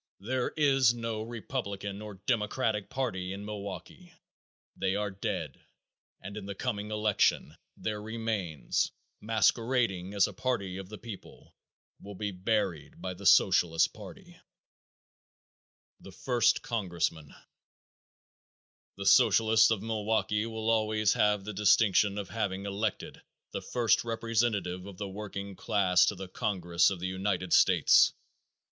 There is no Republican or Democratic party in Milwaukee. They are dead, and in the coming election their remains, masquerading as a party of the people, will be buried by the Socialist party. The First Congressman. The Socialists of Milwaukee will always have the distinction of having elected the first representative of the working class to the congress of the United States.